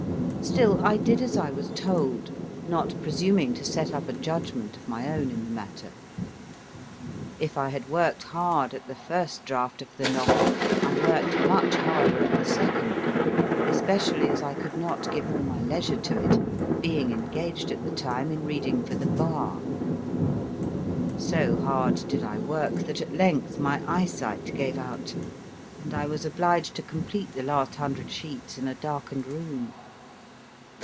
Still, I did as I was told, not presuming to set up a judgment of my own in the matter. If I had worked hard at the first draft of the novel, I worked much harder at the second, especially as I could not give all my leisure to it, being engaged at the time 142 MY FIRST BOOK in reading for the Bar. So hard did I work that at length my eyesight gave out, and I was obliged to complete the last hundred sheets in a darkened room.